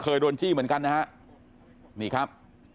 โดนจี้เหมือนกันนะฮะนี่ครับ